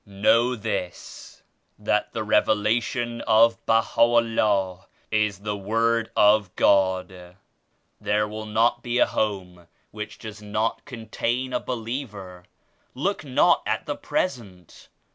"Know this — that the Revelation of Baha'u' LLAH is the Word of God. There will not be a home which does not contain a believer. Look not at the present.